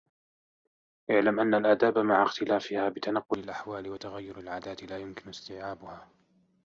اعْلَمْ أَنَّ الْآدَابَ مَعَ اخْتِلَافِهَا بِتَنَقُّلِ الْأَحْوَالِ وَتَغَيُّرِ الْعَادَاتِ لَا يُمْكِنُ اسْتِيعَابُهَا